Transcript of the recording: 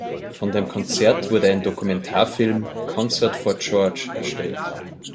Von dem Konzert wurde ein Dokumentarfilm "Concert for George" erstellt.